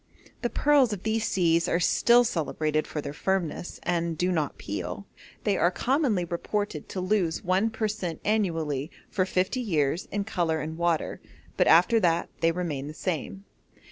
The pearls of these seas are still celebrated for their firmness, and do not peel. They are commonly reported to lose one per cent. annually for fifty years in colour and water, but after that they remain the same.